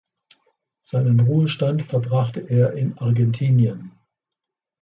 Seinen Ruhestand verbrachte er in Argentinien.